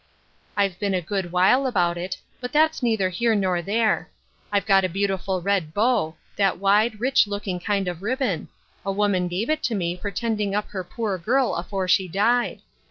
I've been a good while about it, but that's neither here nor there. I've got a beautiful red bow ; that wide, rich looking kind of ribbon ; a woman give it to me for tending up to her poor girl afore she died.